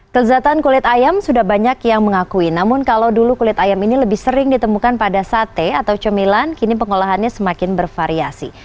kelezatan kulit ayam sudah banyak yang mengakui namun kalau dulu kulit ayam ini lebih sering ditemukan pada sate atau cemilan kini pengolahannya semakin bervariasi